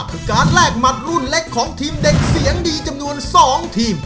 คือการแลกหมัดรุ่นเล็กของทีมเด็กเสียงดีจำนวน๒ทีม